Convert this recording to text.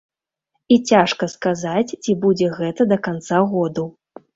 І цяжка сказаць, ці будзе гэта да канца году.